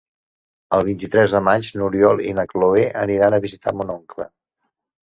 El vint-i-tres de maig n'Oriol i na Cloè aniran a visitar mon oncle.